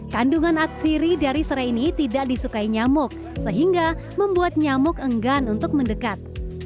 kandungan atsiri dari serai ini tidak disukai nyamuk sehingga membuat nyamuk enggan untuk mendekat